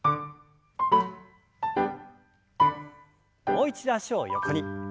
もう一度脚を横に。